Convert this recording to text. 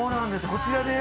こちらで。